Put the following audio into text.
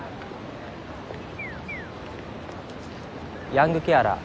ヤングケアラー。